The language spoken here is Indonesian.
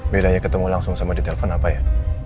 bedanya ketemu langsung sama di telepon apa ya